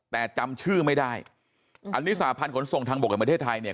แต่จำชื่อไม่ได้อันนี้สาพันธ์ขนส่งทางบกแห่งประเทศไทยเนี่ย